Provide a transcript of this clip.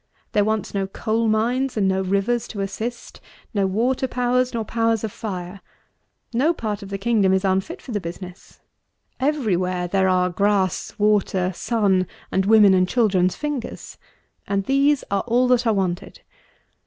There wants no coal mines and no rivers to assist; no water powers nor powers of fire. No part of the kingdom is unfit for the business. Every where there are grass, water, sun, and women and children's fingers; and these are all that are wanted.